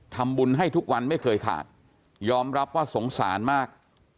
ทำบุญให้ทุกวันไม่เคยขาดยอมรับว่าสงสารมาก